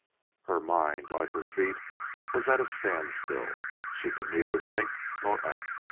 Her mind, like her feet, was at a standstill. She could neither think nor act.